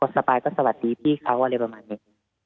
สปายก็สวัสดีพี่เขาอะไรประมาณนี้